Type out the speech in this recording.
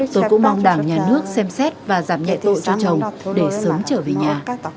tôi cũng mong đảng nhà nước xem xét và giảm nhẹ tội cho chồng để sớm trở về nhà